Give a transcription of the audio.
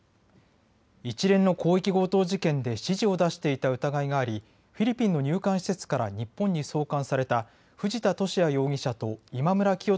一連の広域強盗事件で指示を出していた疑いがありフィリピンの入管施設から日本に送還された藤田聖也容疑者と今村磨人